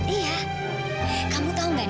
iya kamu tau gak ndi